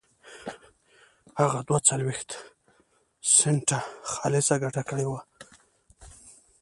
هغه دوه څلوېښت سنټه خالصه ګټه کړې وه.